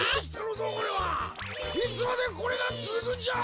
いつまでこれがつづくんじゃ！？